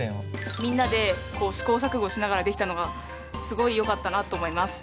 みんなで試行錯誤しながらできたのがすごいよかったなと思います。